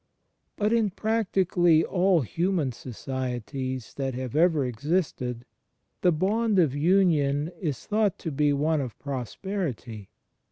But in practically all hiunan societies that have ever existed, the bond of union is thought to be one of prosperity.